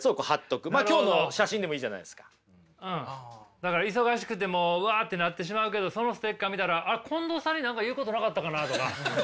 だから忙しくてもううわってなってしまうけどそのステッカー見たらあっ近藤さんに何か言うことなかったかなとか。